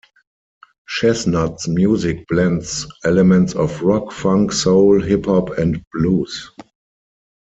Chesnutt's music blends elements of rock, funk, soul, hip hop, and blues.